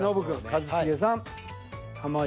一茂さん